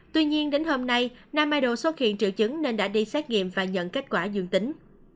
tuy nhiên đến hôm nay nam maido xuất hiện triệu chứng nên đã đi xét nghiệm và nhận kết quả dương tính